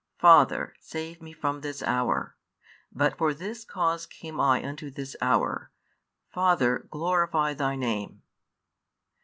Father, save Me from this hour. But for this cause [came I] unto this hour. Father, glorify Thy name.